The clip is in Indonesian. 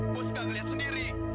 boss nggak ngelihat sendiri